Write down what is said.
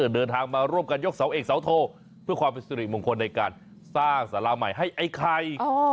เดินทางมาร่วมกันยกเสาเอกเสาโทเพื่อความเป็นสิริมงคลในการสร้างสาราใหม่ให้ไอ้ไข่